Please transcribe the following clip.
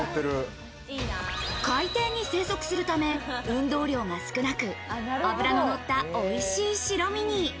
海底に生息するため、運動量が少なく、脂の乗ったおいしい白身に。